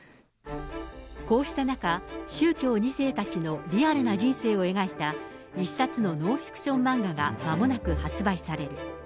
こうした中、宗教２世たちのリアルな人生を描いた一冊のノンフィクション漫画がまもなく発売される。